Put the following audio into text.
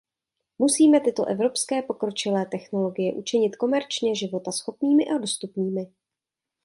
Musíme tyto evropské pokročilé technologie učinit komerčně životaschopnými a dostupnými.